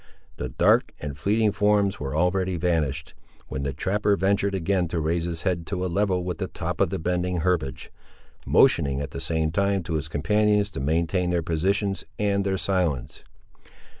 The dark and fleeting forms were already vanished, when the trapper ventured again to raise his head to a level with the tops of the bending herbage, motioning at the same time, to his companions to maintain their positions and their silence.